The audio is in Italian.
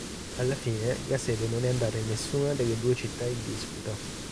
Alla fine la sede non è andata in nessuna delle due città in disputa.